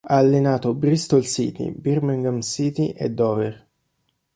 Ha allenato Bristol City, Birmingham City e Dover.